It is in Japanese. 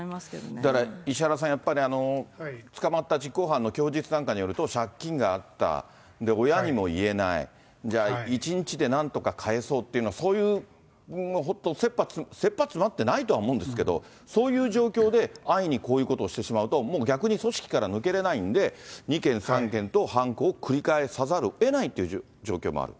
だから石原さん、やっぱり捕まった実行犯の供述なんかによると、借金があった、親にも言えない、じゃあ、１日でなんとか返そうって、そういう本当、せっぱ詰まってないと思うんですけど、そういう状況で安易にこういうことをしてしまうと、逆に組織から抜けれないんで、２件、３件と犯行を繰り返さざるをえないという状況もある。